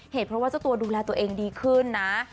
เหตุเพราะว่าเจ้าตัวดูแลตัวเองดีขึ้นนะ